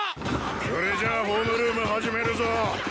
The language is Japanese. それじゃあホームルーム始めるぞ。